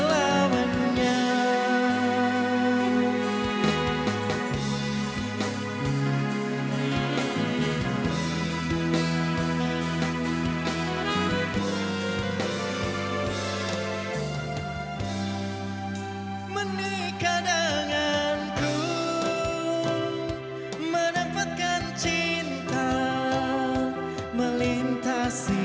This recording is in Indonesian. menikah denganmu menetapkan jiwa